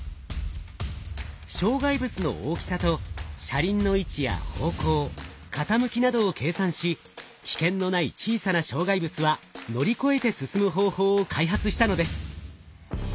障害物の大きさと車輪の位置や方向傾きなどを計算し危険のない小さな障害物は乗り越えて進む方法を開発したのです。